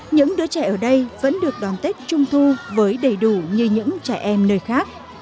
những đứa trẻ ở đây vẫn được đón tết trung thu với đầy đủ như những trẻ em nơi khác